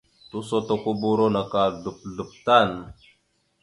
Tusotokoboro naka slop slop tan.